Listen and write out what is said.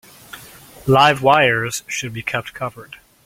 Live wires should be kept covered.